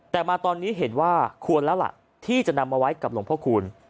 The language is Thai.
แต่มาตอนนี้เห็นว่าควรแล้วล่ะที่จะนำมาไว้กับหลวงพ่อคูณ